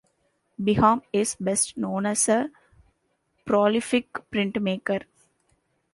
Beham is best known as a prolific printmaker.